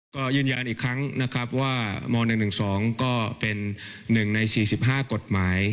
ก็ยืนยันอีกครั้งนะครับว่าม๑๑๒ก็เป็น๑ใน๔๕กฎหมาย